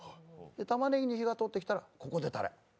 たまねぎに火が通ってきたらここでタレ。